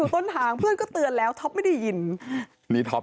ฝากกับทำอะไรก็ขัดดูต้นทานด้วยนะครับ